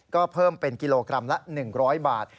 ก็เพิ่มเป็นกิโลกรัมละ๑๐๐บาท